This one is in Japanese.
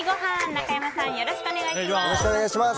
中山さん、よろしくお願いします。